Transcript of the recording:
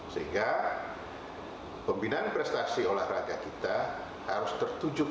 sehingga pembinaan prestasi olahraga kita harus tertuju